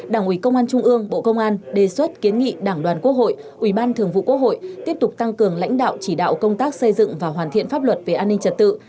đảng ủy công an trung ương bộ công an đề xuất kiến nghị đảng đoàn quốc hội ủy ban thường vụ quốc hội tiếp tục tăng cường lãnh đạo chỉ đạo công tác xây dựng và hoàn thiện pháp luật về an ninh trật tự